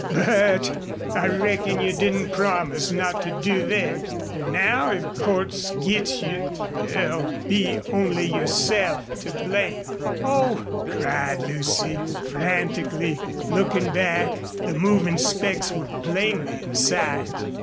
But I reckon you didn't promise not to do thet.... An' now if Cordts gits you there'll be only yourself to blame." "Oh!" cried Lucy, frantically looking back. The moving specks were plainly in sight.